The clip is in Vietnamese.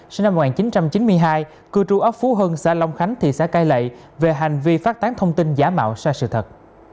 sinh năm một nghìn chín trăm chín mươi hai cư trú ấp phú hưng xã long khánh thị xã cai lệ về hành vi phát tán thông tin giả mạo sai sự thật